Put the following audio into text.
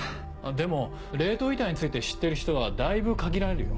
でも冷凍遺体について知ってる人はだいぶ限られるよ。